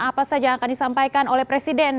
apa saja yang akan disampaikan oleh presiden